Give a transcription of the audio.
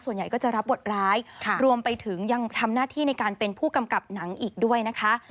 ส่วนใหญ่ก็จะรับบทร้ายรวมไปถึงยังทำหน้าที่ในการเป็นผู้กำกับหนังอีกด้วยนะคะ